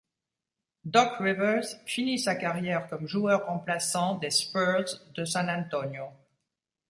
Doc Rivers finit sa carrière comme joueur remplaçant des Spurs de San Antonio.